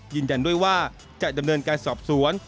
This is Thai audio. ยืนยันด้วยว่าจะดำเนินการสอบสวน